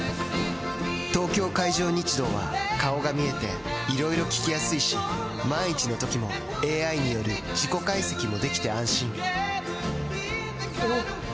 東京海上日動は顔が見えていろいろ聞きやすいし万一のときもＡＩによる事故解析もできて安心おぉ！